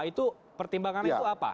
itu pertimbangan itu apa